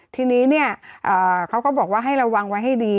ทีนี้เขาก็บอกว่าให้ระวังไว้ให้ดี